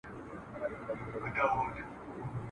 یو څوک هم په دې نه وو خبر